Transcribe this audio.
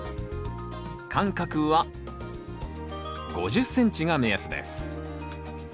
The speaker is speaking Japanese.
間隔は５０ｃｍが目安です。